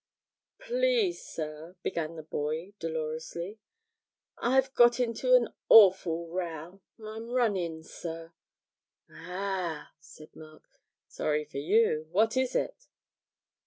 'Please sir,' began the boy, dolorously, 'I've got into an awful row I'm run in, sir.' 'Ah!' said Mark; 'sorry for you what is it?'